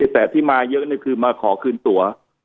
แต่ที่มาเยอะคือมาขอคืนตัว